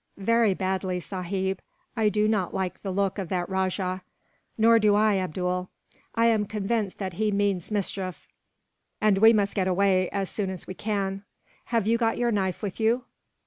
"Very badly, sahib. I do not like the look of that rajah." "Nor do I, Abdool. I am convinced that he means mischief, and we must get away as soon as we can. "Have you got your knife with you?